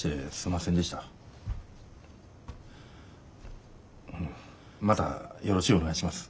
またよろしゅうお願いします。